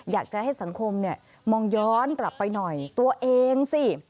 อยากจะให้สังคมมองย้อนกลับไปหน่อยตัวเองสิ